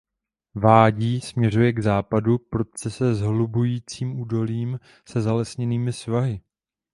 Vádí směřuje k západu prudce se zahlubujícím údolím se zalesněnými svahy.